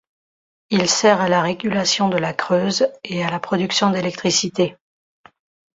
Il sert à la régulation de la Creuse et à la production d'électricité.